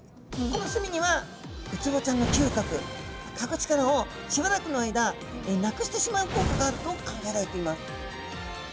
この墨にはウツボちゃんの嗅覚かぐ力をしばらくの間なくしてしまう効果があると考えられています。